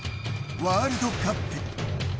ワールドカップ。